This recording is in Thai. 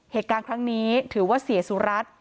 เหตุการณ์ครั้งนี้ถือว่าเสียสุรัตน์